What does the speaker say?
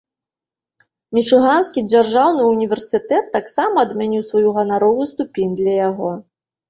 Мічыганскі дзяржаўны ўніверсітэт таксама адмяніў сваю ганаровую ступень для яго.